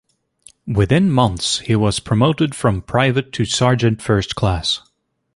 Within months, he was promoted from private to sergeant first class.